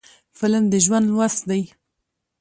فلم د ژوند لوست دی